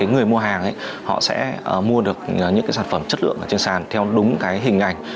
người mua hàng họ sẽ mua được những cái sản phẩm chất lượng ở trên sàn theo đúng cái hình ảnh